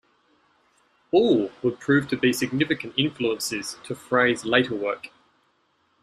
All would prove to be significant influences to Frey's later work.